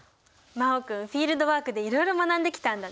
真旺君フィールドワークでいろいろ学んできたんだね。